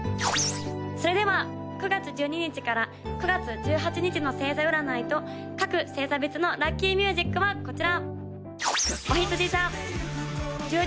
それでは９月１２日から９月１８日の星座占いと各星座別のラッキーミュージックはこちら！